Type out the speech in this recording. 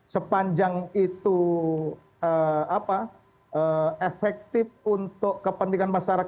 sepanjang itu efektif untuk kepentingan masyarakat